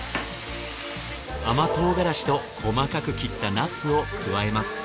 甘唐辛子と細かく切ったナスを加えます。